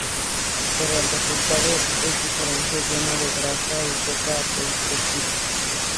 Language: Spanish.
Pero el resultado es diferente, lleno de grasa y poco apetecible.